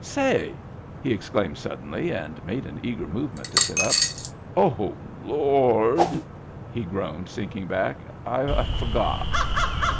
— Say!" he exclaimed suddenly, and made an eager movement to sit up. " Oh Lord !" he groaned, sinking back. " I forgot.